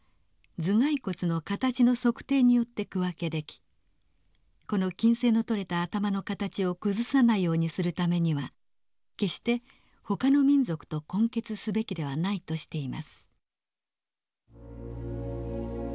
頭蓋骨の形の測定によって区分けできこの均斉の取れた頭の形を崩さないようにするためには決してほかの民族と混血すべきではないとしています。